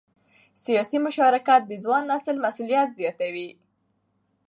سیاسي مشارکت د ځوان نسل مسؤلیت زیاتوي